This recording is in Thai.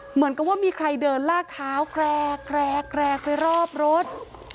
เหมือนกับว่ามีใครเดินลากเท้าแกรกไปรอบรถ